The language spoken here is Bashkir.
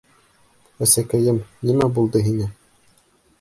— Әсәкәйем, нимә булды һиңә?